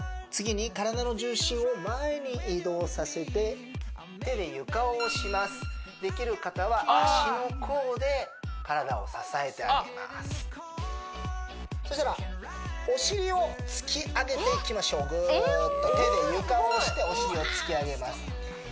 次に体の重心を前に移動させて手で床を押しますできる方は足の甲で体を支えてあげますそしたらお尻を突き上げていきましょうぐーっと手で床を押してお尻を突き上げます